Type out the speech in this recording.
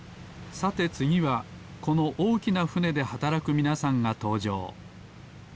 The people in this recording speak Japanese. さてつぎはこのおおきなふねではたらくみなさんがとうじょう。